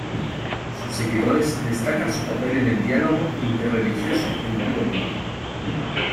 Sus seguidores destacan su papel en el diálogo interreligioso en todo el Mundo.